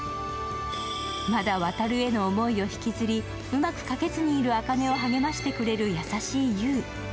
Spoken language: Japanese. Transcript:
まだ渉への思いを引きずり、うまく書けずにいる茜を励ましてくれる優しい侑。